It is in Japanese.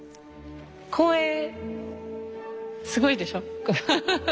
声すごいでしょ。